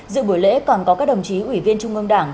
dự buổi lễ còn có các đồng chí ủy viên trung ương đảng